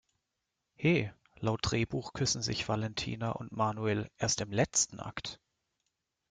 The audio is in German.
He, laut Drehbuch küssen sich Valentina und Manuel erst im letzten Akt!